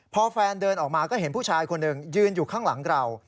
พอแฟนเดินออกมาก็เห็นผู้ชายคนหนึ่งยืนอยู่ข้างหลังเรา